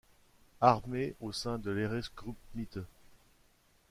Armee au sein de l'Heeresgruppe Mitte.